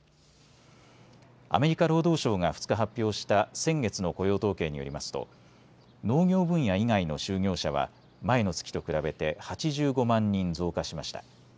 アメリカ労働省が２日発表した先月の雇用統計によりますと農業分野以外の就業者は前の月と比べて８５万人増加しました。